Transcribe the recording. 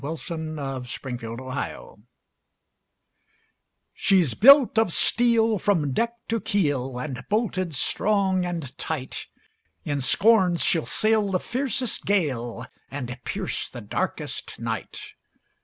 THE WORD OF AN ENGINEER "She's built of steel From deck to keel, And bolted strong and tight; In scorn she'll sail The fiercest gale, And pierce the darkest night.